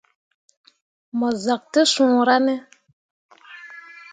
Mo zak te suura ne.